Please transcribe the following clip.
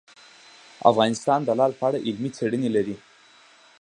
افغانستان د لعل په اړه علمي څېړنې لري.